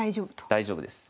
大丈夫です。